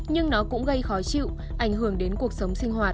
nhưng nó cũng gây khó chịu ảnh hưởng đến cuộc sống sinh hoạt